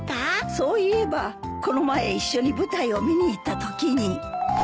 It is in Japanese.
そういえばこの前一緒に舞台を見に行ったときに。